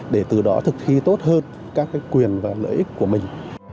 để từ đó thực thi tốt hơn các quyền và lợi ích của mình